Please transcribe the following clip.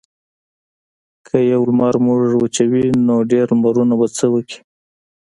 که یو لمر موږ وچوي نو ډیر لمرونه به څه وکړي.